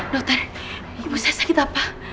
dokter ibu saya sakit apa